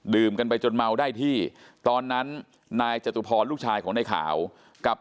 กันไปจนเมาได้ที่ตอนนั้นนายจตุพรลูกชายของในขาวกับ